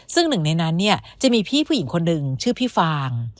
ซึ่งหนึ่งในนั้นเนี่ยจะมีพี่ผู้หญิงคนหนึ่งชื่อพี่ฟาง